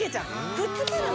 くっつけるの？